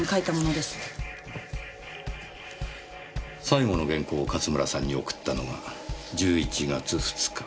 最後の原稿を勝村さんに送ったのが１１月２日。